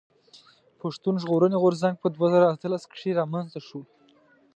پښتون ژغورني غورځنګ په دوه زره اتلس کښي رامنځته شو.